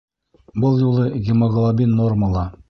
Был юлы гемоглобин нормала!